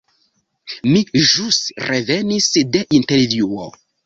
Mi ĵus revenis de intervjuo.